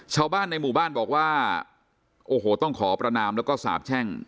ชาวบ้านในหมู่บ้านบอกว่าโอ้โหต้องขอประนามแล้วก็สาบแช่ง